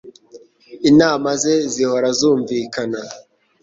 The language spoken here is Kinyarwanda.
Inama ze zihora zumvikana.